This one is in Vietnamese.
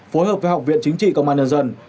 phối hợp với học viện chính trị công an nhân dân